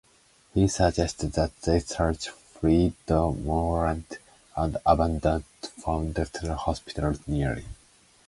He suggests that they search Freedomland, an abandoned foundling hospital nearby.